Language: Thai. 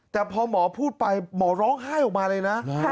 แต่พอหมอพูดไปหมอร้องไห้ออกมาเลยนะ